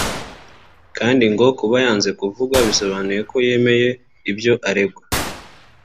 ngo kandi kuba yanze kuvuga bisobanuye ko yemeye ibyo aregwa